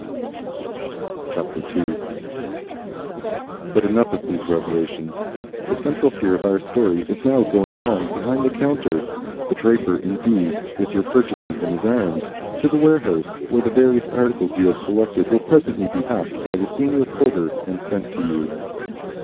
II But enough of these revelations. The central figure of our story is now going along behind the counter, a draper indeed, with your purchases in his arms, to the warehouse, where the various articles you have selected will presently be packed by the senior porter and sent to you.